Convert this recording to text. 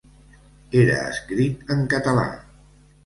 Era escrit en català.